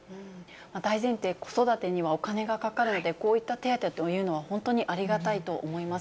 大前提、子育てにはお金がかかるので、こういった手当というのは、本当にありがたいと思います。